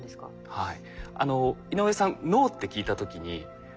はい。